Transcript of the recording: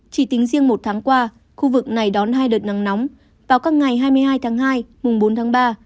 chỉ tính riêng một tháng qua khu vực này đón hai đợt nắng nóng vào các ngày hai mươi hai tháng hai mùng bốn tháng ba